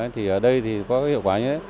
thì ở đây thì có hiệu quả như thế